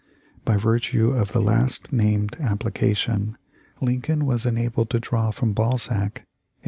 By virtue of the last named applica tion, Lincoln was enabled to draw from Balzac a